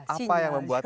apa yang membuat